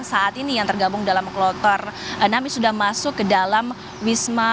saat ini yang tergabung dalam kloter enam sudah masuk ke dalam wisma